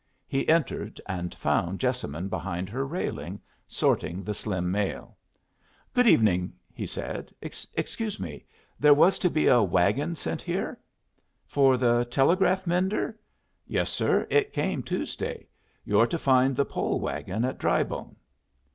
He entered, and found Jessamine behind her railing, sorting the slim mail. "Good evening," he said. "Excuse me. There was to be a wagon sent here." "For the telegraph mender? Yes, sir. It came Tuesday. You're to find the pole wagon at Drybone."